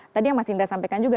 tadi yang mas indra sampaikan juga